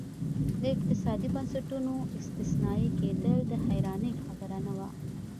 د اقتصادي بنسټونو استثنایي کېدل د حیرانۍ خبره نه وه.